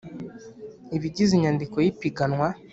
Ibigize inyandiko y ipiganwa